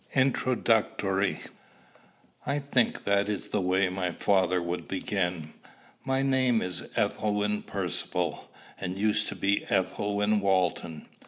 INTRODUCTORY. I think that is the way my father would begin. My name is Ethelwyn Percivale, and used to be Ethelwyn Walton.